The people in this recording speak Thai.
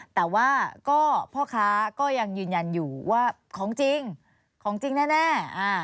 แต่ว่าก็พ่อค้าก็ยังยืนยันอยู่ว่าของจริงของจริงแน่